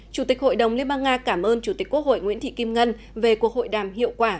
chủ tịch hội đồng liên bang nga cảm ơn chủ tịch quốc hội nguyễn thị kim ngân về cuộc hội đàm hiệu quả